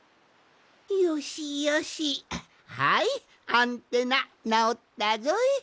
アンテナなおったぞい。